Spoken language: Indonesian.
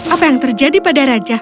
apa yang terjadi pada raja